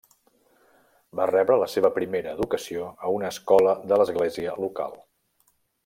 Va rebre la seva primera educació a una escola de l'església local.